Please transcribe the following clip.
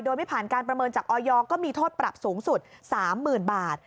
โดยไม่ผ่านการประเมินจากออยก็มีโทษปรับสูงสุด๓๐๐๐บาท